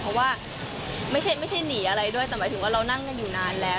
เพราะว่าไม่ใช่หนีอะไรด้วยแต่หมายถึงว่าเรานั่งกันอยู่นานแล้ว